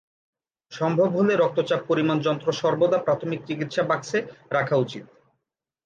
সম্ভব হলে রক্তচাপ পরিমাণ যন্ত্র সর্বদা প্রাথমিক চিকিৎসা বাক্সে রাখা উচিত।